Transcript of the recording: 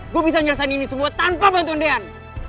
gue bisa nyelesain ini semua tanpa bantuan dean